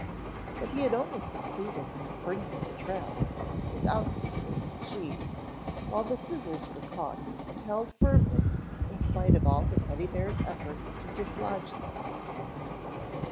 But he had only succeeded in springing the trap, without securing the cheese, while the scissors were caught and held firmly in spite of all the Teddy bear's efforts to dislodge them.